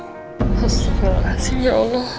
astagfirullahaladzim ya allah